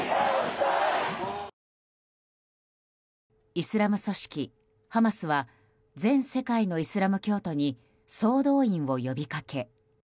イスラム組織ハマスは全世界のイスラム教徒に総動員を呼びかけ。